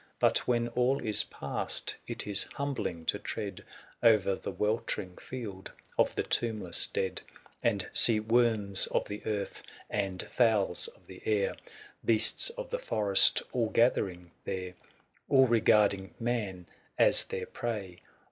But when all is past, it is humbling to tread O'er the weltering field of the tombless dead, 445 And see worms of the earth, and fowls of the air, Beasts of the forest, all gathering there ; All regarding man as their prey.